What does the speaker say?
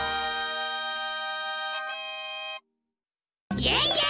イエイイエイ！